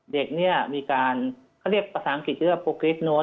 เด็กเนี่ยมีการเขาเรียกภาษาอังกฤษโปรเกสโน้ตเนี่ย